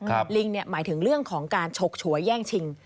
ลิงเนี่ยหมายถึงเรื่องของการฉกฉวยแย่งชิง